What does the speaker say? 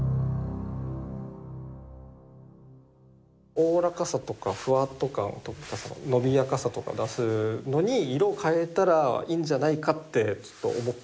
おおらかさとかフワッと感とかその伸びやかさとか出すのに色変えたらいいんじゃないかってちょっと思って。